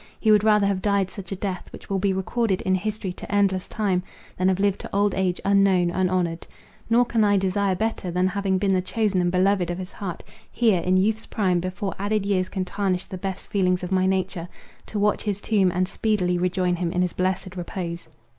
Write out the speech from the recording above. He would rather have died such a death, which will be recorded in history to endless time, than have lived to old age unknown, unhonoured. Nor can I desire better, than, having been the chosen and beloved of his heart, here, in youth's prime, before added years can tarnish the best feelings of my nature, to watch his tomb, and speedily rejoin him in his blessed repose.